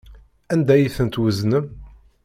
Anda ay tent-tweznem?